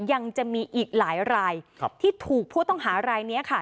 ยังมีอีกหลายรายที่ถูกผู้ต้องหารายนี้ค่ะ